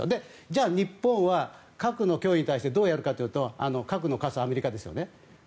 じゃあ、日本は核の脅威に対してどうやるかというと核の傘、アメリカですよね